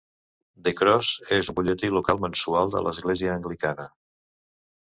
"The Cross" és un butlletí local mensual de l"església anglicana.